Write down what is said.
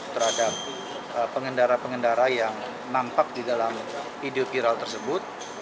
terhadap pengendara pengendara yang nampak di dalam video viral tersebut